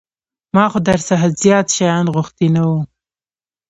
ما خو در څخه زيات شيان غوښتي نه وو.